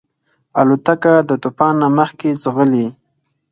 الوتکه د طوفان نه مخکې ځغلي.